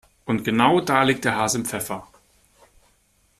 Und genau da liegt der Hase im Pfeffer.